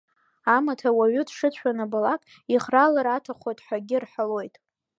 Амаҭ ауаҩы дшыцәоу анабалак, иӷралар аҭаххоит ҳәагьы рҳәалоит.